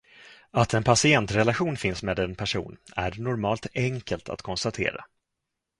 Att en patientrelation finns med en person är normalt enkelt att konstatera.